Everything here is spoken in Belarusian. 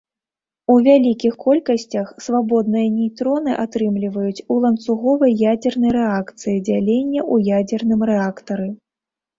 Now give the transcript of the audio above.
У вялікіх колькасцях свабодныя нейтроны атрымліваюць у ланцуговай ядзернай рэакцыі дзялення ў ядзерным рэактары.